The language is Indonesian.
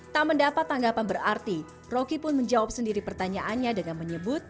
tak mendapat tanggapan berarti rocky pun menjawab sendiri pertanyaannya dengan menyebut